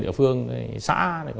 địa phương xã